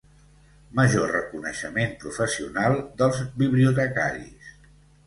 Major reconeixement professional dels bibliotecaris.